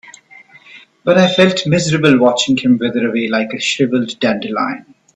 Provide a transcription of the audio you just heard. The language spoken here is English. But I felt miserable watching him wither away like a shriveled dandelion.